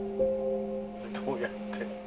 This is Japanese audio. どうやって？